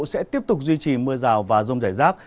sẽ tiếp tục duy trì mưa rào và rông rải rác